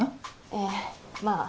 ええまあ。